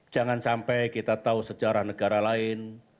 jangan sampai kita tahu sejarah negara lain